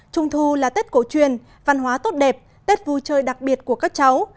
trung thu là tết cổ truyền văn hóa tốt đẹp tết vui chơi đặc biệt của các cháu